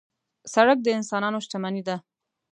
سړک د انسانانو شتمني ده.